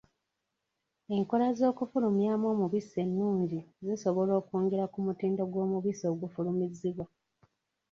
Enkola z'okufulumyamu omubisi ennungi zisobola okwongera ku mutindo gw'omubisi ogufulumizibwa.